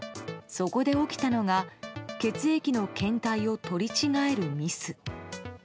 そこで起きたのが血液の検体を取り違えるミス。